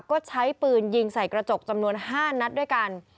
ก็ใช้ปืนยิงใส่กระจกจำนวน๕นัดด้วยกัน